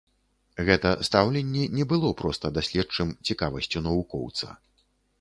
Гэта стаўленне не было проста даследчым цікавасцю навукоўца.